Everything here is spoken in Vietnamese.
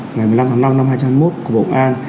ngày một mươi năm tháng năm năm hai nghìn một của bộ công an